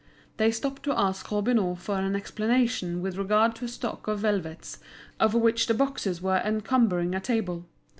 They stopped to ask Robineau for an explanation with regard to a stock of velvets of which the boxes were encumbering a table.